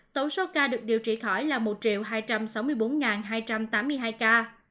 tổng số ca được điều trị khỏi là một hai trăm sáu mươi bốn hai trăm tám mươi hai ca